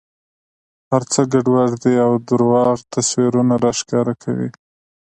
هر څه ګډوډ دي او درواغ تصویرونه را ښکاره کوي.